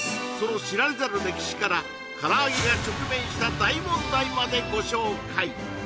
その知られざる歴史からからあげが直面した大問題までご紹介